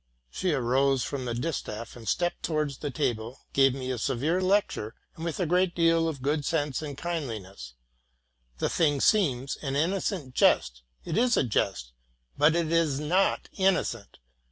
'' She arose from the distaff, and, stepping towards the table, gave me a severe lecture, with a great deal of good sense and kindliness. '* The thing seems an innocent jest: it is a jest, but it is not innocent.